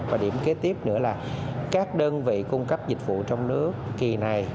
và điểm kế tiếp nữa là các đơn vị cung cấp dịch vụ trong nước kỳ này